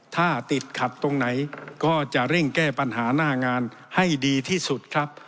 ถ้าติดขัดตรงไหนก็จะเร่งแก้ปัญหาหน้างานให้ดีที่สุดครับ